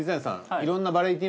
いろんなバラエティ